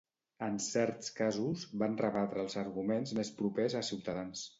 En certs casos, van rebatre els arguments més propers a Ciutadans.